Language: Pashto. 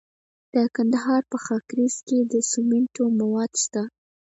د کندهار په خاکریز کې د سمنټو مواد شته.